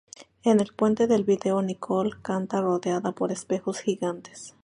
En el puente del vídeo Nicole canta, rodeada por espejos gigantes.